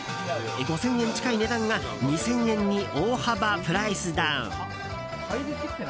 ５０００円近い値段が２０００円に大幅プライスダウン。